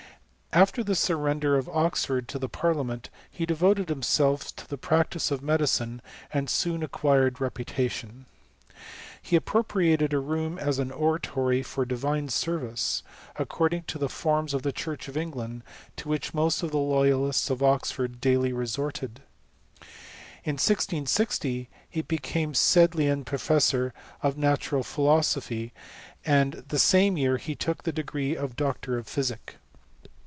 After the surrender of Oxford to the par fiament, he devoted himself to the practice of medi cine, and soon acquired reputation. He appropriated a room as an oratory for divine service, according to Ae forms of the church of England, to which most of the loyalists of Oxford daily resorted. In 1660, he became Sedleian professor of natural philosophy, and the same year he took the degree of doctor of physic.